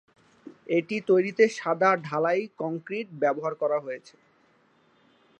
এটি তৈরিতে সাদা ঢালাই কংক্রিট ব্যবহার করা হয়েছে।